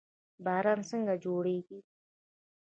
باران څنګه جوړیږي؟